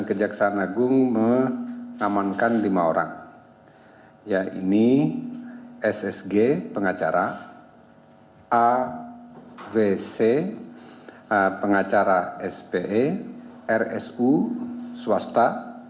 kejaksaan agung mengamankan lima orang yaitu ssg pengacara avc pengacara spe rsu swasta